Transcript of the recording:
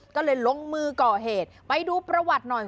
ก็เลยลงมือก่อเหตุไปดูประวัติหน่อย